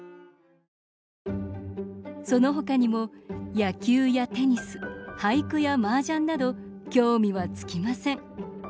その他にも野球やテニス俳句やマージャンなど興味は尽きません。